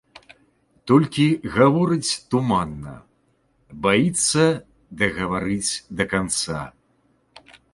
Толькі гаворыць туманна, баіцца дагаварыць да канца.